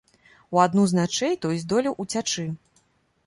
У адну з начэй той здолеў уцячы.